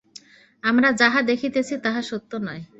আমরা যাহা দেখিতেছি, তাহা সত্য নয়।